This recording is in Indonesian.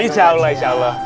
insya allah insya allah